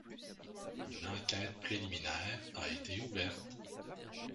Une enquête préliminaire a été ouverte.